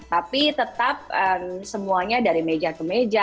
tapi tetap semuanya dari meja ke meja